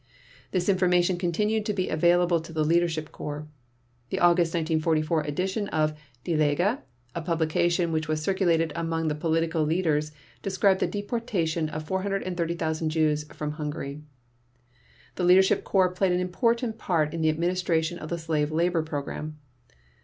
This information continued to be available to the Leadership Corps. The August 1944 edition of Die Lage, a publication which was circulated among the Political Leaders, described the deportation of 430,000 Jews from Hungary. The Leadership Corps played an important part in the administration of the Slave Labor Program.